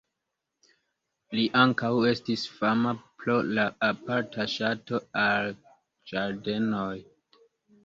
Li ankaŭ estis fama pro la aparta ŝato al ĝardenoj.